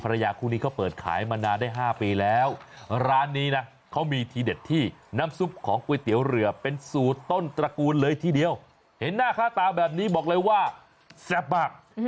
ร้านดังตระกูลเลยทีเดียวเห็นหน้าค้าตาแบบนี้บอกเลยว่าแซ่บมาก